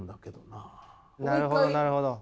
なるほどなるほど。